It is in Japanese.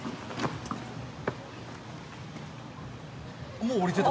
もう降りてた。